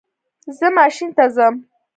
زه ماشین ته ځم